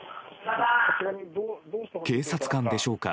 警察官でしょうか。